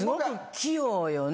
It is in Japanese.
「器用よね」